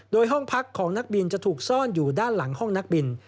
โดยห้องพักของนักบินจะถูกซ่อนอยู่ด้านหลังห้องนักบิน